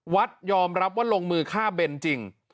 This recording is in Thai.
วัดยอมรับว่าลงมือฆ่าเบนจริง